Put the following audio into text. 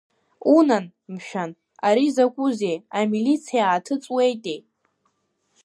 Унан, мшәан, ари закәызеи, амилициаа ҭыҵуеитеи?